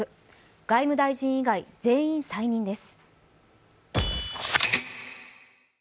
外務大臣以外全員再任です。